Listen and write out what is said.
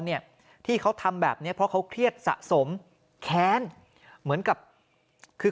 เนี่ยที่เขาทำแบบเนี้ยเพราะเขาเครียดสะสมแค้นเหมือนกับคือ